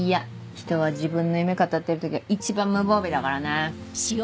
人は自分の夢語ってる時が一番無防備だからね。